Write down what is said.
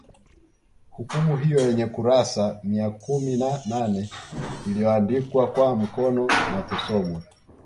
Hukumu hiyo yenye kurasa mia kumi na nane iliyoandikwa kwa mkono nakusomwa